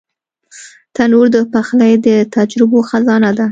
تنور د پخلي د تجربو خزانه ده